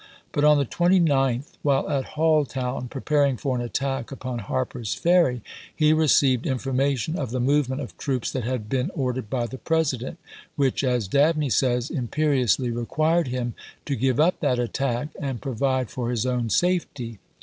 But on the 29th, while at Halltown, preparing for an attack upon Harper's Ferry, he received infor mation of the movement of troops that had been ordered by the President, which, as Dabney says, " imperiously required him " to give up that attack " and provide for his own safety."